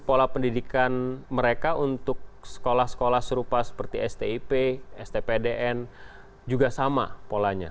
pola pendidikan mereka untuk sekolah sekolah serupa seperti stip stpdn juga sama polanya